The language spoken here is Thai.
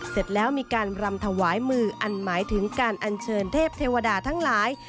เสร็จแล้วมีการรำถวายมืออันหมายถึงการอัญเชิญเทพเทวดาทั้งหลาย